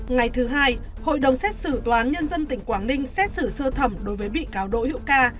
ngày thứ hai hội đồng xét xử tòa án nhân dân tỉnh quảng ninh xét xử sơ thẩm đối với bị cáo đỗ hữu ca